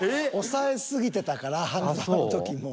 抑え過ぎてたから「半沢」の時も。